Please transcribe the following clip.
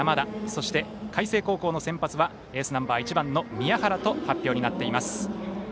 そして、海星高校先発はエースナンバー１番の宮原と発表になっています。